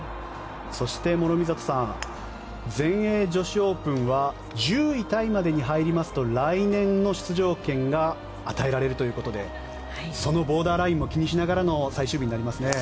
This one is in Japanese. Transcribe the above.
そして、諸見里さん全英女子オープンは１０位タイまでに入りますと来年の出場権が与えられるということでそのボーダーラインも気にしながらの最終日になりますね。